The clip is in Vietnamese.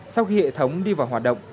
sau khi hệ thống đi vào hoạt động